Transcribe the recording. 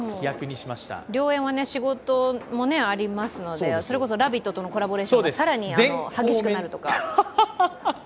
良縁は仕事もありますので、それこそ「ラヴィット！」とのコラボレーションが激しくなるとか。